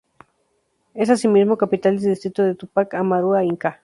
Es asimismo capital del distrito de Tupac Amaru Inca.